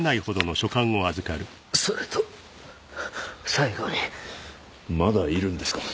それと最後にまだいるんですか？